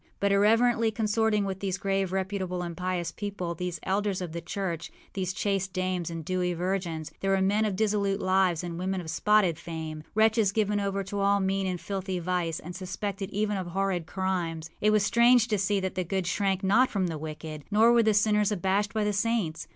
But, irreverently consorting with these grave, reputable, and pious people, these elders of the church, these chaste dames and dewy virgins, there were men of dissolute lives and women of spotted fame, wretches given over to all mean and filthy vice, and suspected even of horrid crimes. It was strange to see that the good shrank not from the wicked, nor were the sinners abashed by the saints.